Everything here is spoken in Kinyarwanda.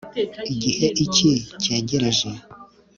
Igihe icyi cyegereje